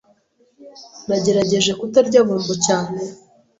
Nagerageje kutarya bombo cyane.